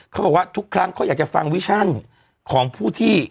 เขาบอกว่าทุกครั้งเขาอยากจะฟังวิชั่นของผู้ที่